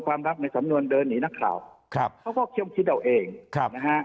ความลับในสำนวนเดินหลีนักข่าวเขาก็เครื่องคิดเอาเองนะฮะ